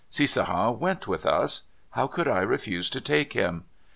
Cissaha went with us. How could I refuse to take him?